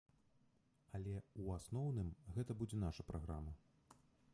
Але, у асноўным, гэта будзе наша праграма.